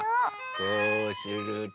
こうすると。